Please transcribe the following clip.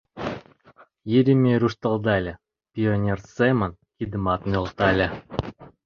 — Еремей руштылдале, пионер семын кидымат нӧлтале.